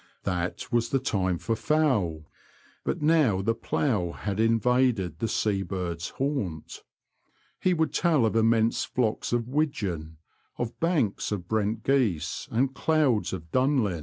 That was the time for fowl ; but now the plough had in vaded the sea birds' haunt. He would tell of immense flocks of widgeon, of banks of brent geese, and clouds of dunlin.